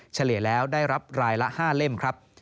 เฉลี่ยแล้วได้รับรายละ๕เล่มครับ